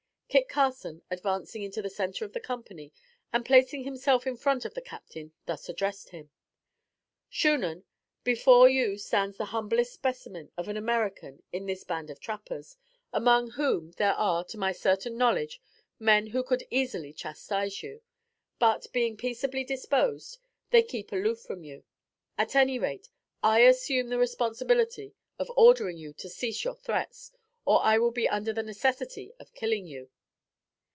Kit Carson advancing into the centre of the company and placing himself in front of the Captain thus addressed him: "Shunan, before you stands the humblest specimen of an American in this band of trappers, among whom, there are, to my certain knowledge, men who could easily chastise you; but, being peaceably disposed, they keep aloof from you. At any rate, I assume the responsibility of ordering you to cease your threats, or I will be under the necessity of killing you."